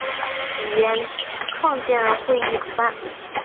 语言创建会议主办。